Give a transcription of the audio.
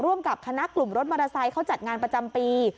ร่วมกับคณะกลุ่มรถมอเตอร์ไซค์เขาจัดงานประจำปี